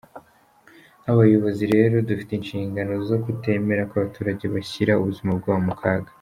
Nk’abayobozi rero dufite inshingano zo kutemera ko abaturage bashyira ubuzima bwabo mu kaga.